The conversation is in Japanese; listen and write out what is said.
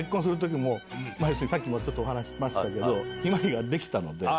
さっきもお話ししましたけど向日葵ができたので。